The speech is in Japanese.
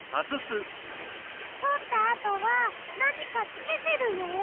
取ったあとは何かつけてるよ。